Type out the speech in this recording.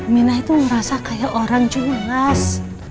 minah itu merasa kayak orang jualan